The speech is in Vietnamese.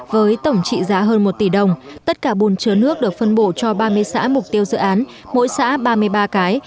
với tổng trị giá hơn một tỷ đồng tất cả bồn chứa nước được phân bổ cho ba mươi xã mục tiêu dự án mỗi xã ba mươi ba cái